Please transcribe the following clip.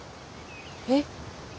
えっ？